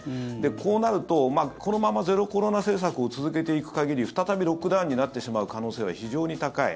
こうなると、このままゼロコロナ政策を続けていく限り再びロックダウンになってしまう可能性は非常に高い。